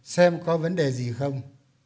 xem có vấn đề gì không